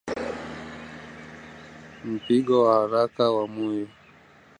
Mpigo wa haraka wa moyo